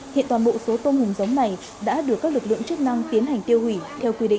hiện toàn bộ số tôm hùm giống này đã được các lực lượng chức năng tiến hành tiêu hủy theo quy định